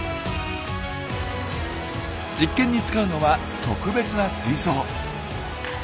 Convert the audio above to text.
実験に使うのは特別な水槽。